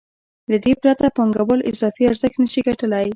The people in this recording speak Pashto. له دې پرته پانګوال اضافي ارزښت نشي ګټلی